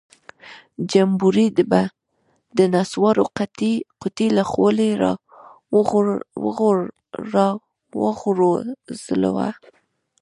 جمبوري به د نسوارو قطۍ له خولۍ راوغورځوله.